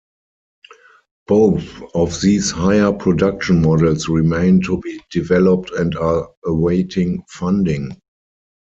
Both of these higher-production models remain to be developed and are awaiting funding.